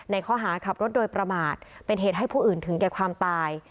ข้อหาขับรถโดยประมาทเป็นเหตุให้ผู้อื่นถึงแก่ความตาย